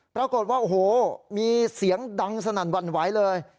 ปรากฏว่าโอ้โหมีเสียงดังสนั่นหวั่นไหวเลย